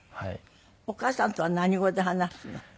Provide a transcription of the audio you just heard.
お母さんとは何語で話すの？